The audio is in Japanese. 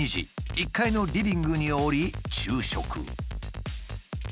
１階のリビングに下り昼食。